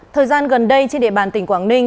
thời gian gần đây trên địa bàn tỉnh quảng ninh